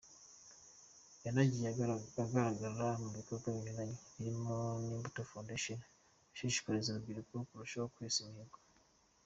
Yanagiye agaragara mu bikorwa binyuranye birimo ibya Imbuto Foundation ashishikariza urubyiruko kurushaho kwesa imihigo.